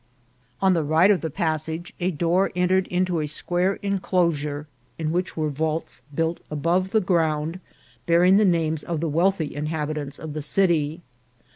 On the right of the passage a door opened into a square enclosure, in which were vaults built above the ground, bearing the names of the weal thy inhabitants of the city.